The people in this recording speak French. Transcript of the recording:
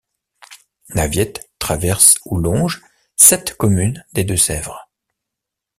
La Viette traverse ou longe sept communes des Deux-Sèvres.